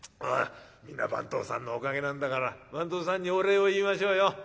みんな番頭さんのおかげなんだから番頭さんにお礼を言いましょうよ。